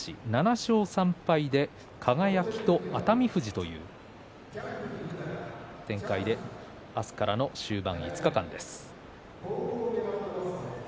７勝３敗で、輝と熱海富士という展開で明日からの終盤５日間です。